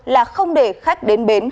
là không để khách đến bến